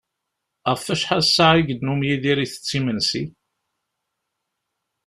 Ɣef wacḥal ssaɛa i yennum Yidir itett imensi?